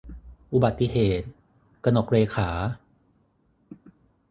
อุบัติเหตุ - กนกเรขา